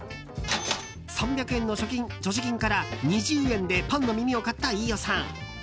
３００円の所持金から２０円でパンの耳を買った飯尾さん。